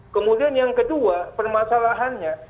kemudian yang kedua permasalahannya